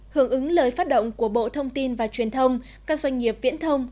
hưởng ứng lời phát động của bộ thông tin và truyền thông các doanh nghiệp viễn thông